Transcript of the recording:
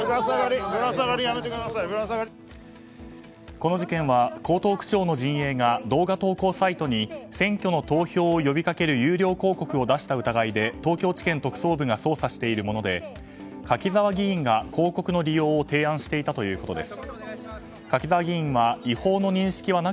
この事件は、江東区長の陣営が動画投稿サイトに選挙の投票を呼びかける有料広告を出した疑いで東京地検特捜部が捜査しているもので柿沢議員が広告の利用を提案していたということです。